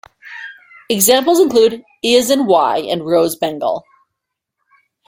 Examples include eosin Y and rose bengal.